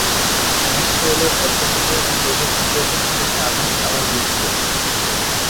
Maxwell এর তত্ত্ব থেকে এই প্রভাব সম্পর্কে কিছু একটা আভাস পাওয়া গিয়েছিলো।